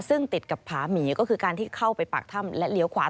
ซึ่งติดกับผาหมีก็คือการที่เข้าไปปากถ้ำและเลี้ยวขวา